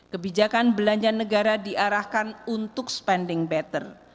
kebijakan belanja negara diarahkan untuk spending better